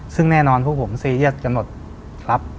ซึ่งแน่นอนพวกผมซีเรียสกำหนดรับ